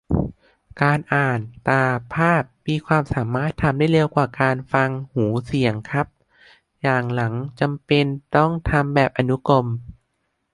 การอ่าน ตา-ภาพ มีความสามารถทำได้เร็วกว่าการฟัง หู-เสียง ครับ - อย่างหลังจำเป็นต้องทำแบบอนุกรม